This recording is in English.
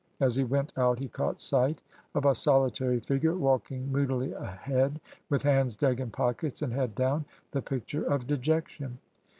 As he went out he caught sight of a solitary figure walking moodily ahead, with hands dug in pockets and head down, the picture of dejection.